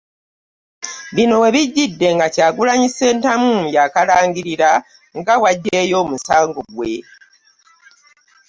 Bino we bijjidde nga Kyagulanyi Ssentamu yanl kalangirira nga bw'aggyeeyo omusango gwe